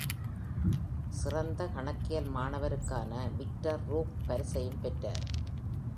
சிறந்த கணக்கியல் மாணவருக்கான Victor crook பரிசையும் பெற்றார்.